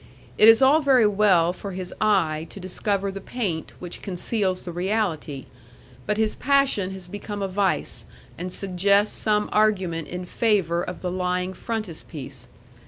It is all very well for his eye to discover the paint which conceals the reality, but his passion has become a vice, and suggests some argument in favour of the lying frontispiece.